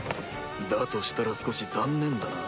だとしたら少し残念だな。